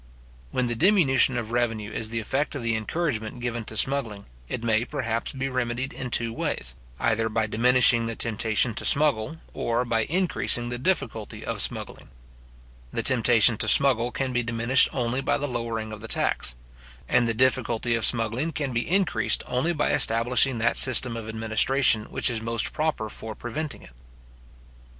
When the diminution of revenue is the effect of the encouragement given to smuggling, it may, perhaps, be remedied in two ways; either by diminishing the temptation to smuggle, or by increasing the difficulty of smuggling. The temptation to smuggle can be diminished only by the lowering of the tax; and the difficulty of smuggling can be increased only by establishing that system of administration which is most proper for preventing it.